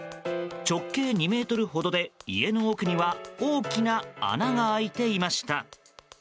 直径２ｍほどで家の奥には大きな穴が開いていました。